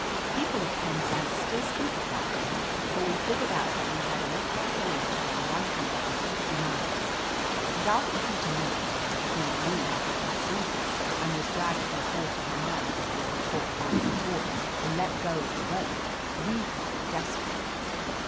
People of Penzance still speak of that day, for we figured out that we had enough gasoline to run one hundred and sixty miles, and after Peter Miller, at Point Lena, had lassoed us and was dragged for a quarter of a mile before he caught hold of a buoy and could let go of the rope, we got desperate.